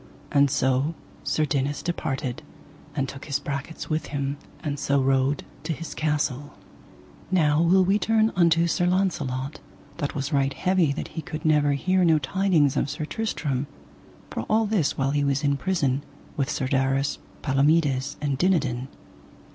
And so Sir Dinas departed, and took his brachets with him, and so rode to his castle. Now will we turn unto Sir Launcelot, that was right heavy that he could never hear no tidings of Sir Tristram, for all this while he was in prison with Sir Darras, Palomides, and Dinadan.